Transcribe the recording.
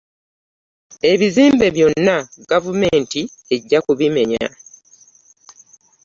Ebizimbe byonna gavumenti ejja kubimenya.